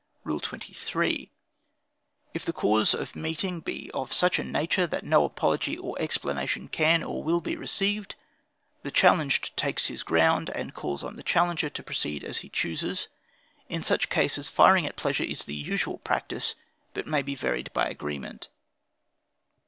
"Rule 23. If the cause of meeting be of such a nature that no apology or explanation can or will be received, the challenged takes his ground, and calls on the challenger to proceed as he chooses: in such cases firing at pleasure is the usual practice, but may be varied by agreement.